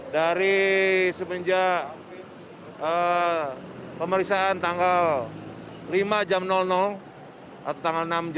dari semenjak pemeriksaan tanggal lima atau tanggal enam satu